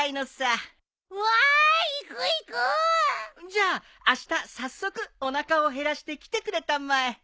じゃああした早速おなかを減らして来てくれたまえ。